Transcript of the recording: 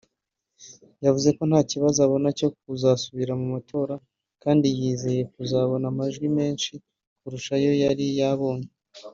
yavuze ko nta kibazo abona cyo gusubira mu matora kandi yizeye kuzabona amajwi menshi kurusha ayo yari yabonye